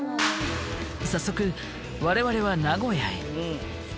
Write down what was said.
早速我々は名古屋へ。